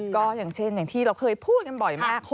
ก็อย่างเช่นอย่างที่เราเคยพูดกันบ่อยมาก